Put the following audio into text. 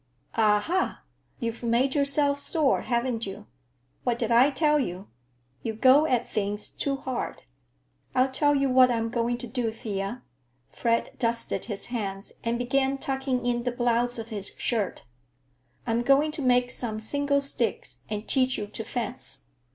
"Ah—ha, you've made yourself sore, haven't you? What did I tell you? You go at things too hard. I'll tell you what I'm going to do, Thea," Fred dusted his hands and began tucking in the blouse of his shirt, "I'm going to make some single sticks and teach you to fence.